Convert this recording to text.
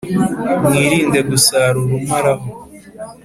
Mwirinde gusarura umaraho .